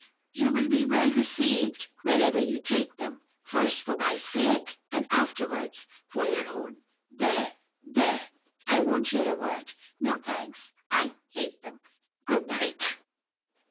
You will be well received wherever you take them, first for my sake, and afterwards for your own. There, there! I won't hear a word! No thanks—I hate them! Good night.